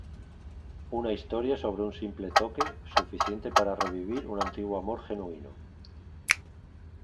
Una historia sobre un simple toque, suficiente para revivir un antiguo amor genuino.